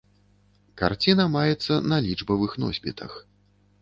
Карціна маецца на лічбавых носьбітах.